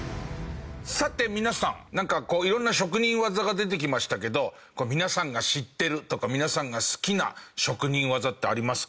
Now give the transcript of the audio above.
さて皆さん色んな職人技が出てきましたけど皆さんが知ってるとか皆さんが好きな職人技ってありますか？